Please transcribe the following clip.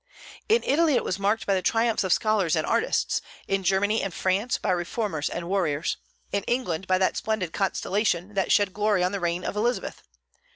In Italy it was marked by the triumphs of scholars and artists; in Germany and France, by reformers and warriors; in England, by that splendid constellation that shed glory on the reign of Elizabeth.